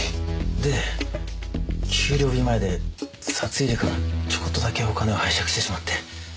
で給料日前で札入れからちょこっとだけお金を拝借してしまって。